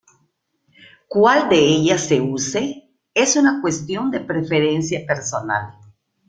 Cuál de ellas se use, es una cuestión de preferencia personal.